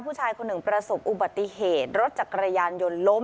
ผู้ชายคนหนึ่งประสบอุบัติเหตุรถจักรยานยนต์ล้ม